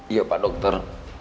iya pak dokter